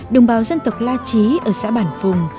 đồng bào dân tộc la trí ở xã bản phùng